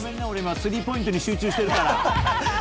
俺、スリーポイントに集中してるから。